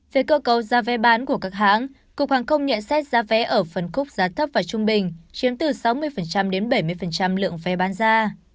về cơ cấu giá vé bán của các hãng cục hàng không nhận xét giá vé ở phần khúc giá thấp và trung bình chiếm từ sáu mươi đến bảy mươi lượng vé bán ra